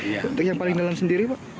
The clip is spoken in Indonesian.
bentuk yang paling dalam sendiri pak